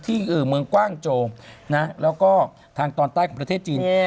ที่เมืองกว้างโจงแล้วก็ทางตอนใต้ของประเทศจีน